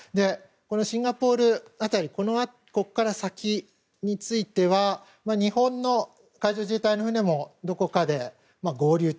シンガポール辺りから先については日本の海上自衛隊の船もどこかで合流と。